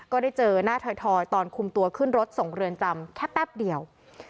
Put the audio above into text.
ก็ได้เจอหน้าถอยตอนคุมตัวขึ้นรถส่งเรือนจำแค่แป๊บเดียว